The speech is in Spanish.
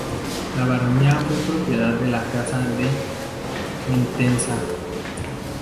La baronía fue propiedad de la casa de Entenza.